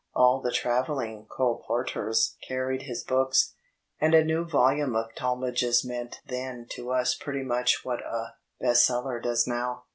All the tra velling colporteurs carried his books, and a new volume of Talmage's meant then to us pretty much what a "best seller" does now.